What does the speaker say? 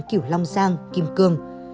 đàn kiểu long giang kim cương